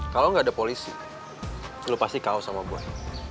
kalau gak ada polisi lo pasti kau sama boy